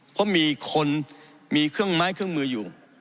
เพราะมีคนมีเครื่องไม้เครื่องมืออยู่